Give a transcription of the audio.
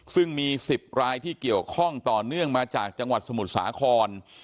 ซึ่งมี๑๐รายที่เกี่ยวข้องต่อเนื่องมาจากจังหวัดสมุทรสาคร